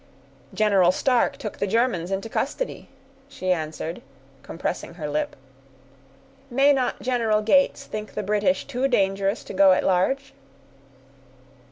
"General Stark took the Germans into custody," she answered, compressing her lip; "may not General Gates think the British too dangerous to go at large?"